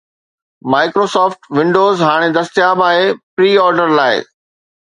Microsoft Windows ھاڻي دستياب آھي پري آرڊر لاءِ